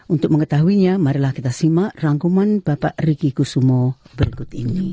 untuk mengetahuinya mari kita simak rangkuman bapak ricky kusumo berikut ini